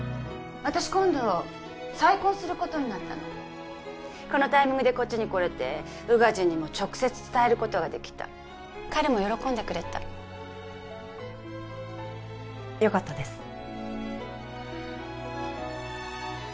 私今度再婚することになったのこのタイミングでこっちに来れて宇賀神にも直接伝えることができた彼も喜んでくれたよかったです